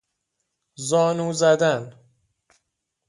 زانو زدن